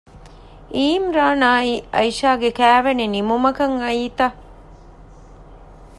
ޢީމްރާނާއި ޢައިޝާގެ ކައިވެނި ނިމުމަކަށް އައީތަ؟